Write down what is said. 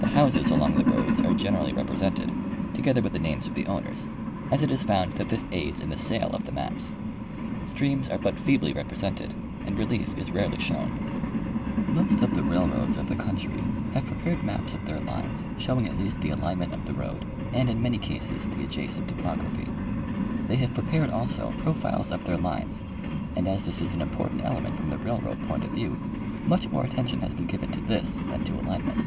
The houses along the roads are generally represented, together with the names of the owners, as it is found that this aids in the sale of the maps. Streams are but feebly represented, and relief is rarely shown. Ma2)S produced by private Enterprise. Ill Most of the railroads of the country have prepared maps of their lines showing at least the alignment of the road and in many cases the adjacent topography. They have prepared also profiles of their lines, and as this is an imjjortant element from the railroad point of view, much more attention has heen given to this than to alignment.